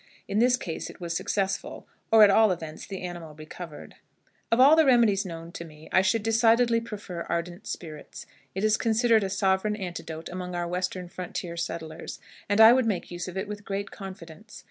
In this case it was successful, or, at all events, the animal recovered. Of all the remedies known to me, I should decidedly prefer ardent spirits. It is considered a sovereign antidote among our Western frontier settlers, and I would make use of it with great confidence.